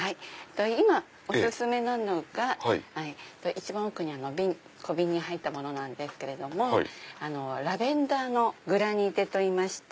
今お薦めなのが一番奥にある小瓶に入ったものなんですけどラベンダーのグラニテといいまして。